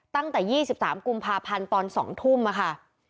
ตั้งแต่๒๓กุพตอน๑๒๐๐อ๋อค่ะ